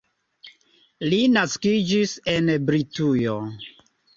Li naskiĝis en Britujo.